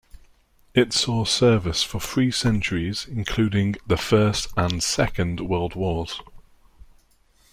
It saw service for three centuries, including the First and Second World Wars.